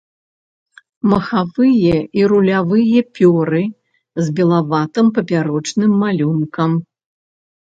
Махавыя і рулявыя пёры з белаватым папярочным малюнкам.